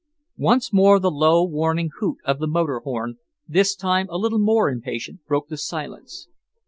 Once more the low, warning hoot of the motor horn, this time a little more impatient, broke the silence.